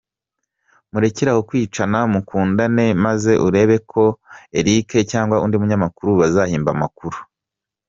Murekeraho kwicana, mukundane maze urebeko Eric cg undi munyamakuru bazahimba amakuru!